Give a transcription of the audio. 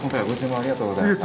ありがとうございます。